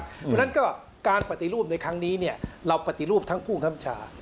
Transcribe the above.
เพราะฉะนั้นก็การปฏิรูปในครั้งนี้เราปฏิรูปทั้งผู้ค้ำชา